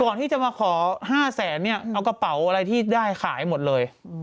ก่อนที่จะมาขอ๕แสนเนี่ยเอากระเป๋าอะไรที่ได้ขายหมดเลย